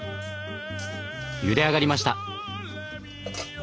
ゆで上がりました。